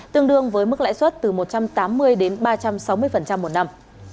tương đương với mức lãi suất từ một trăm tám mươi đến ba trăm sáu mươi một năm